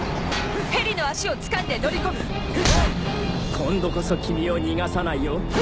今度こそ君を逃がさないよ。